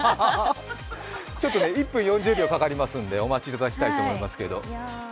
１分４０秒かかりますのでちょっとお待ちいただきたいと思います。